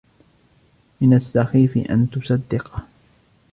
من السخيف ان تصدقه.